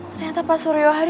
ternyata pak suryo hadi